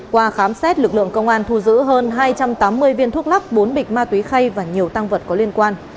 qua khám xét lực lượng công an thu giữ hơn hai trăm tám mươi viên thuốc lắc bốn bịch ma túy khay và nhiều tăng vật có liên quan